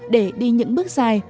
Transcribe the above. để đi những bước dài